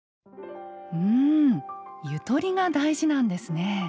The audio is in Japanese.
うんゆとりが大事なんですね。